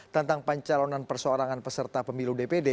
tentang pencalonan perseorangan peserta pemilu dpd